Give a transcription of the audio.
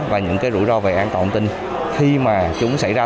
và những cái rủi ro về an toàn tinh khi mà chúng xảy ra